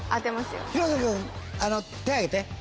広瀬君あの手挙げて。